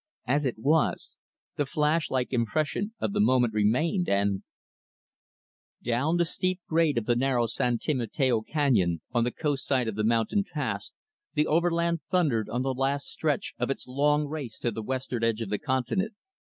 As it was, the flash like impression of the moment remained, and Down the steep grade of the narrow San Timateo Canyon, on the coast side of the mountain pass, the Overland thundered on the last stretch of its long race to the western edge of the continent.